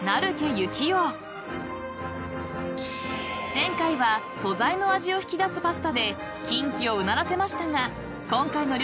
［前回は素材の味を引き出すパスタでキンキをうならせましたが今回の料理はいったい？］